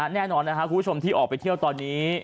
แน่นอนนะครับคุณผู้ชมที่ออกไปเที่ยวตอนนี้